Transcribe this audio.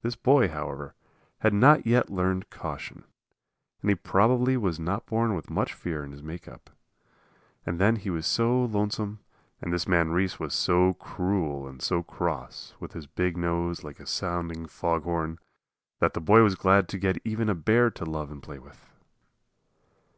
This boy, however, had not yet learned caution, and he probably was not born with much fear in his make up. And then he was so lonesome, and this man Reese was so cruel and so cross, with his big nose like a sounding fog horn, that the boy was glad to get even a bear to love and play with.